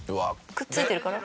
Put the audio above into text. くっついてるから？